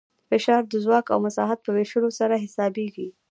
فشار د ځواک او مساحت په ویشلو سره حسابېږي.